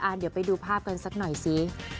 เดี๋ยวไปดูภาพกันสักหน่อยสิ